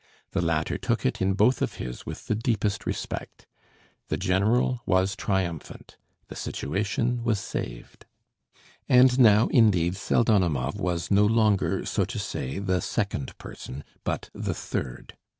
The latter took it in both of his with the deepest respect. The general was triumphant, the situation was saved. And now indeed Pseldonimov was no longer, so to say, the second person, but the third.